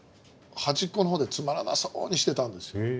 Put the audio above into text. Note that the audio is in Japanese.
端っこの方でつまらなそうにしてたんですよ。